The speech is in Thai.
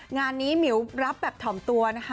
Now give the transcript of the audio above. งานนี้หมิวรับแบบถ่อมตัวนะคะ